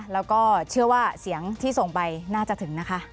แล้วก็เชื่อว่าเสียงที่ส่งไปน่าจะถึงนะคะ